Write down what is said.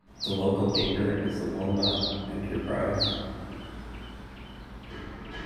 The local paper is the Wilmot Enterprise.